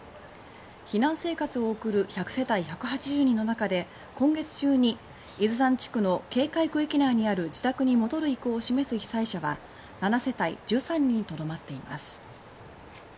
避難生活を送る１００世帯１８０人の中で今月中に区域内にある自宅に戻る意向を示す被災者は７世帯１３人にとどまっています。